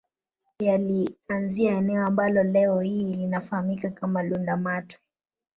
Yaliianzia eneo ambalo leo hii linafahamika kama Lundamatwe